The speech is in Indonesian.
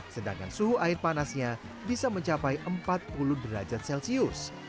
sedangkan suhu air panasnya bisa mencapai empat puluh derajat celcius